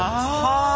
はあ。